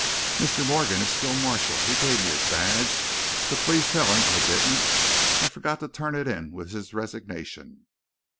"Mr. Morgan is still marshal he gave me his badge, but please tell him I didn't I forgot to turn it in with his resignation."